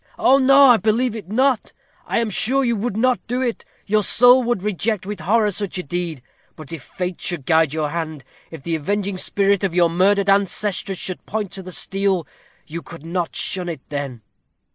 "Oh, no, I believe it not. I am sure you would not do it. Your soul would reject with horror such a deed. But if Fate should guide your hand, if the avenging spirit of your murdered ancestress should point to the steel, you could not shun it then."